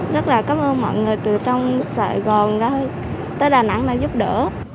rất là cảm ơn mọi người từ trong sài gòn ra tới đà nẵng là giúp đỡ